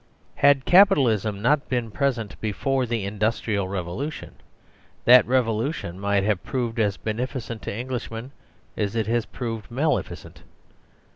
Had Capitalism not been present before the Industrial Revolution, that revolution might have proved as beneficent to Englishmen as it has proved malefi cent.